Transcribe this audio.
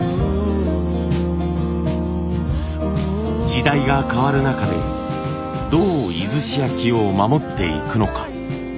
時代が変わる中でどう出石焼を守っていくのか。